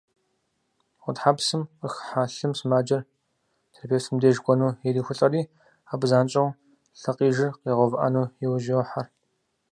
Гъутхьэпсым къыхыхьа лъым сымаджэр терапевтым деж кӏуэну ирехулӏэри, абы занщӏэу лъыкъижыр къигъэувыӏэну иужь йохьэр.